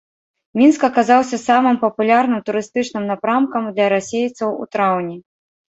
Мінск аказаўся самым папулярным турыстычным напрамкам для расейцаў у траўні.